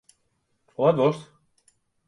Hoe let wolst?